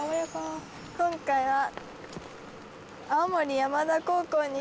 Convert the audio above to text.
今回は。